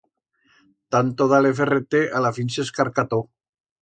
Tanto dar-le ferrete, a la fin s'escarcató.